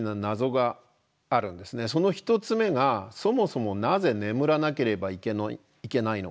その１つ目がそもそもなぜ眠らなければいけないのか。